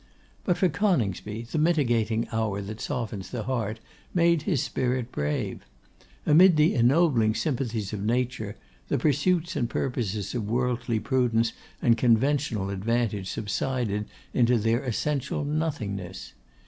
But as for Coningsby, the mitigating hour that softens the heart made his spirit brave. Amid the ennobling sympathies of nature, the pursuits and purposes of worldly prudence and conventional advantage subsided into their essential nothingness.